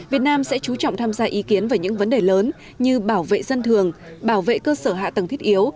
việt nam sẽ chú trọng tham gia ý kiến về những vấn đề lớn như bảo vệ dân thường bảo vệ cơ sở hạ tầng thiết yếu